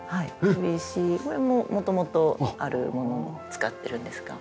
これ石これも元々あるものを使っているんですが。